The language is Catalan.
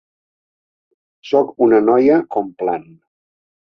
Soc una noia Complan!